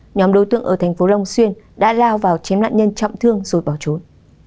nhóm đối tượng ở thành phố long xuyên đã lao vào chiếm nạn nhân chậm thương rồi bỏ trốn